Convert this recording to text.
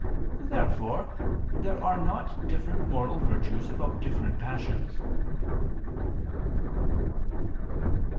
Therefore there are not different moral virtues about different passions.